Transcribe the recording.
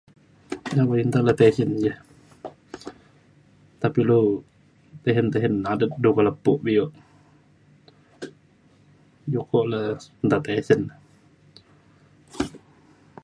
awai nta lu tisen ja. nta pa lu tisen tisen adet du ke lepo bio. juk ko le nta tisen.